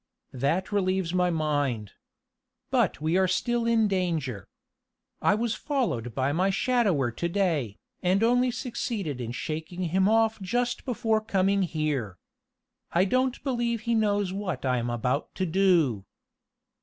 That relieves my mind. But we are still in danger. I was followed by my shadower to day, and only succeeded in shaking him off just before coming here. I don't believe he knows what I am about to do."